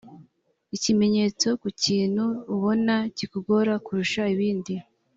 ikamenyetso ku kintu ubona kikugora kurusha ibindi